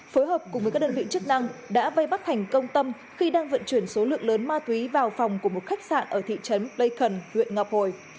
phối hợp cùng với các đơn vị chức năng đã vây bắt thành công tâm khi đang vận chuyển số lượng lớn ma túy vào phòng của một khách sạn ở thị trấn blaikon huyện ngọc hồi